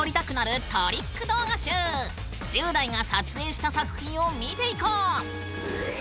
１０代が撮影した作品を見ていこう！